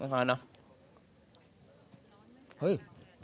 ฮือ